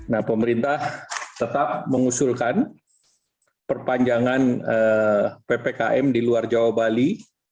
nah pemerintah tetap mengusulkan perpanjangan ppkm di luar jawa bali